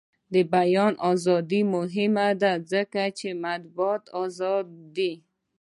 د بیان ازادي مهمه ده ځکه چې د مطبوعاتو ازادي ده.